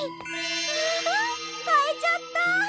うわ買えちゃった！